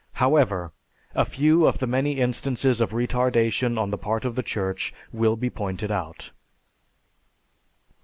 However, a few of the many instances of retardation on the part of the Church will be pointed out.